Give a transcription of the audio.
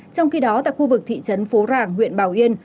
trong khi đó tại khu vực thị trấn phố ràng huyện bảo yên